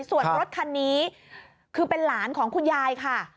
ส่วนรถคันนี้คือเป็นหลานของคุณยายค่ะ